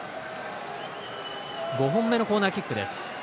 ５本目のコーナーキックです。